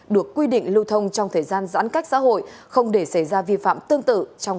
được quy định lưu thông trong thời gian giãn cách xã hội không để xảy ra vi phạm tương tự trong thời gian tới